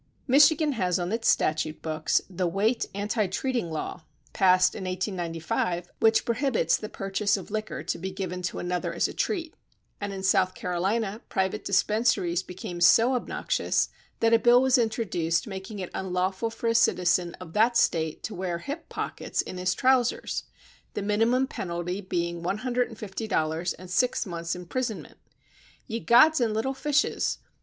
Michigan has on its statute books the Waite Anti treating law, passed in 1895, which prohibits the purchase of liquor to be given to another as a treat; and in South Carolina private dispensaries became so obnoxious that a bill was introduced making it unlawful for a citizen of that State to wear hip pockets in his trousers, the minimum penalty being $1 50 and six months' imprison ment. Ye gods and little fishes